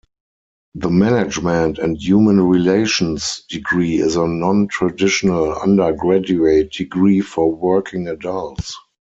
The management and human relations degree is a non-traditional undergraduate degree for working adults.